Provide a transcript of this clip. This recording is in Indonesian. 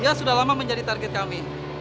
ya sudah lama menjadi target kami